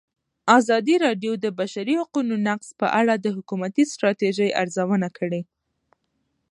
ازادي راډیو د د بشري حقونو نقض په اړه د حکومتي ستراتیژۍ ارزونه کړې.